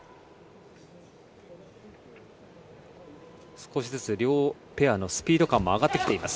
少しずつ両ペアのスピード感も上がってきています。